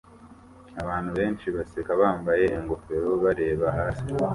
Abantu benshi baseka bambaye ingofero bareba hasi